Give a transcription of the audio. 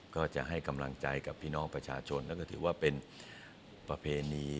ก็จะให้กำลังใจกับพี่น้องประชาชนแล้วก็ถือว่าเป็นประเพณี